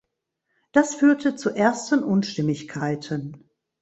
Das führte zu ersten Unstimmigkeiten.